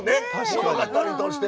物語としては。